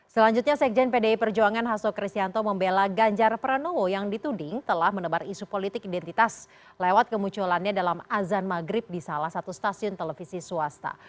selanjutnya sekjen pdi perjuangan hasto kristianto membela ganjar pranowo yang dituding telah menebar isu politik identitas lewat kemunculannya dalam azan maghrib di salah satu stasiun televisi swasta